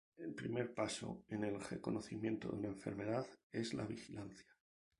El primer paso en el reconocimiento de una enfermedad es la vigilancia.